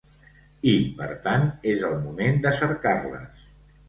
I, per tant, és el moment de cercar-les.